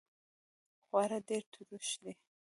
خواړه ډیر تروش دي